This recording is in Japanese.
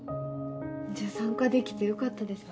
じゃあ参加できてよかったですね。